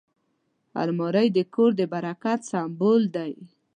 الماري د کور د برکت سمبول دی